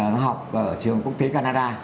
nó học ở trường công thế canada